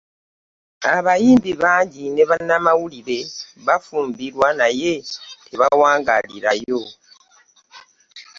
Abayimbi bangi be bannamawulire bafumbirwa naye tebawangaalirayo.